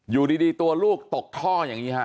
อยู่ดีตัวลูกตกท่ออย่างนี้ฮะ